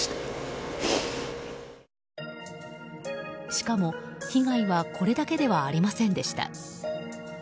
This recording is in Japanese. しかも、被害はこれだけではありませんでした。